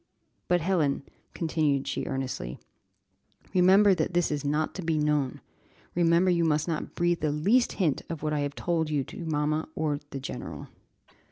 But, Helen," continued she earnestly, "remember that this is not to be known; remember you must not breathe the least hint of what I have told you to mamma or the general."